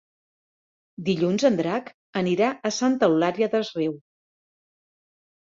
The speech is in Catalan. Dilluns en Drac anirà a Santa Eulària des Riu.